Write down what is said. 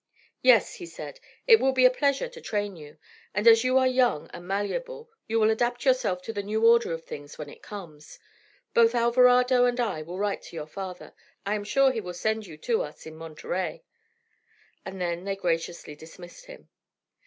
"Yes," he said, "it will be a pleasure to train you; and as you are young and malleable you will adapt yourself to the new order of things when it comes. Both Alvarado and I will write to your father; I am sure he will send you to us in Monterey." And then they graciously dismissed him.